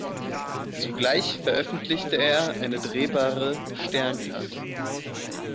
Zugleich veröffentlichte er eine drehbare Sternkarte.